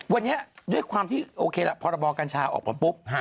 วันนี้ด้วยความที่โอเคพฤษฐภีร์การชาออกมาปุ๊บ